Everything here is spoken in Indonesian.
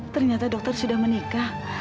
ternyata dokter sudah menikah